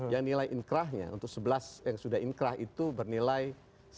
yang nilai inkrahnya untuk sebelas yang sudah inkrah itu bernilai satu